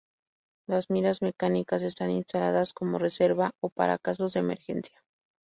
Las miras mecánicas están instaladas como reserva o para casos de emergencia.